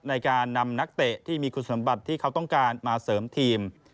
ในการนำนักเตะที่มีคุณสมบัติที่เขาต้องการมาเสริมทีม